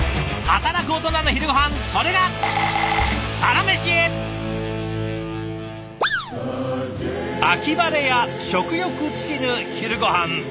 働くオトナの昼ごはんそれが「秋晴れや食欲尽きぬ昼ごはん」。